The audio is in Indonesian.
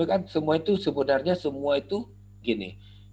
iya tapi kan semua itu sebenarnya semua itu gini